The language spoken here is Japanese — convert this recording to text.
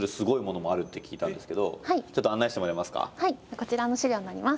こちらの史料になります。